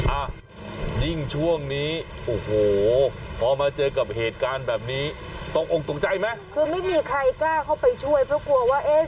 อ่ะยิ่งช่วงนี้โอ้โหพอมาเจอกับเหตุการณ์แบบนี้ตกอกตกใจไหมคือไม่มีใครกล้าเข้าไปช่วยเพราะกลัวว่าเอ๊ะ